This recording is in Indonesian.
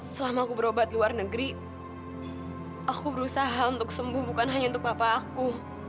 selama aku berobat di luar negeri aku berusaha untuk sembuh bukan hanya untuk bapak aku